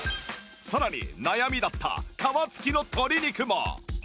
さらに悩みだった皮付きの鶏肉も